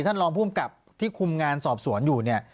ท่านรองผู้องกับที่คุมงานสอบสวนอยู่